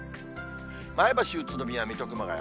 前橋、宇都宮、水戸、熊谷。